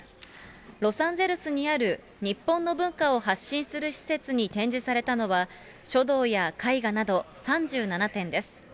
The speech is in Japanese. ロサンゼルスにある日本の文化を発信する施設に展示されたのは、書道や絵画など３７点です。